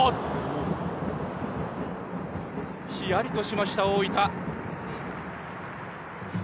ひやりとしました、大分。